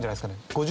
５０